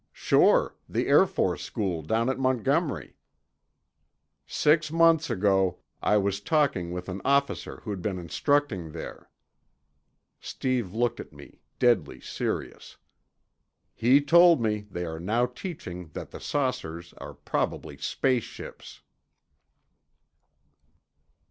"Sure—the Air Force school down at Montgomery." "Six months ago, I was talking with an officer who'd been instructing there." Steve looked at me, deadly serious. "He told me they are now teaching that the saucers are probably space ships."